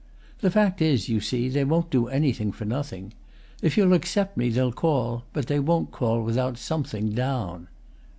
The fact is, you see, they won't do anything for nothing. If you'll accept me they'll call, but they won't call without something 'down.